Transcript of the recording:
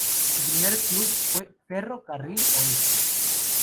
Su primer club fue Ferro Carril Oeste.